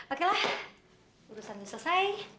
oke lah urusannya selesai